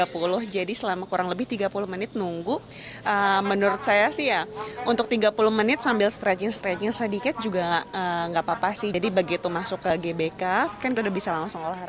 pihak pengelola menerapkan pola shifting